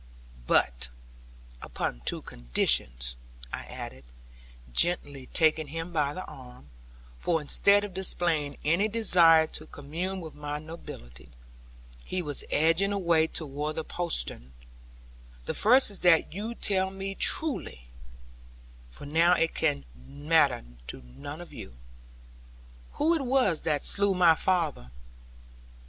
'But upon two conditions,' I added, gently taking him by the arm; for instead of displaying any desire to commune with my nobility, he was edging away toward the postern; 'the first is that you tell me truly (for now it can matter to none of you) who it was that slew my father.'